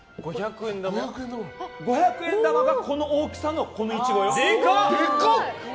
五百円玉がこの大きさのこのイチゴよ。